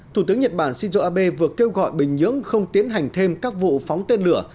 thủ tướng nhật bản shinzo abe vừa kêu gọi bình nhưỡng không tiến hành thêm các vụ phóng tên lửa